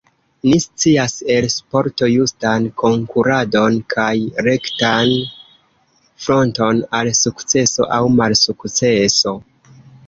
Ni scias el sporto justan konkuradon kaj rektan fronton al sukceso aŭ malsukceso.